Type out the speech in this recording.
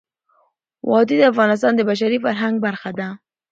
وادي د افغانستان د بشري فرهنګ برخه ده.